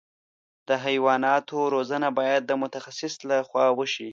د حیواناتو روزنه باید د متخصص له خوا وشي.